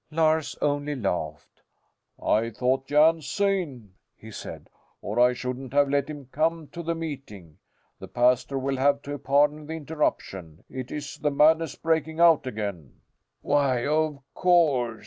Lars only laughed. "I thought Jan sane," he said, "or I shouldn't have let him come to the meeting. The pastor will have to pardon the interruption. It is the madness breaking out again." "Why of course!"